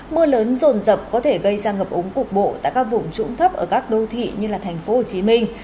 mưa lớn rồn rập có thể gây ra ngập ống cục bộ tại các vùng trũng thấp ở các đô thị như thành phố hồ chí minh